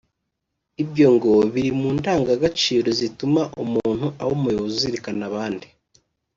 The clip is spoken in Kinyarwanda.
Ibyo ngo biri mu ndangagaciro zituma umuntu aba umuyobozi uzirikana abandi